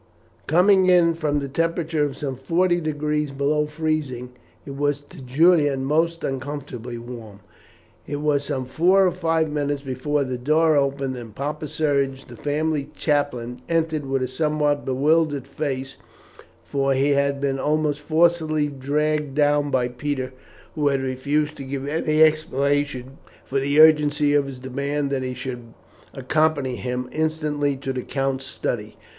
Coming in from the temperature of some forty degrees below freezing, it was to Julian most uncomfortably warm. It was some four or five minutes before the door opened, and Papa Serge, the family chaplain, entered with a somewhat bewildered face, for he had been almost forcibly dragged down by Peter, who had refused to give any explanation for the urgency of his demand that he should accompany him instantly to the count's study.